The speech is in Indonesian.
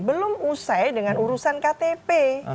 belum usai dengan urusan ktp